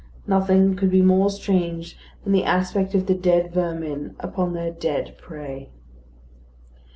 Nothing could be more strange than the aspect of the dead vermin upon their dead prey.